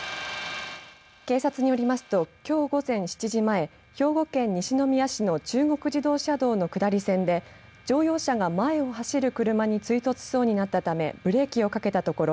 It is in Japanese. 警察によりますときょう午前７時前兵庫県西宮市の中国自動車道の下り線で乗用車が前を走る車に追突しそうになったためブレーキをかけたところ